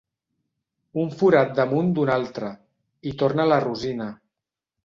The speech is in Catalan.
Un forat damunt d'una altra —hi torna la Rosina.